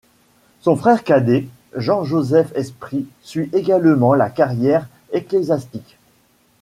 Son frère cadet, Jean-Joseph-Esprit, suit également la carrière ecclésiastique.